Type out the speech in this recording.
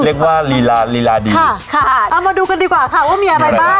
เรียกว่าลีลาลีลาดีค่ะค่ะเอามาดูกันดีกว่าค่ะว่ามีอะไรบ้าง